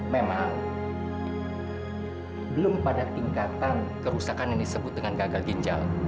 memang belum pada tingkatan kerusakan yang disebut dengan gagal ginjal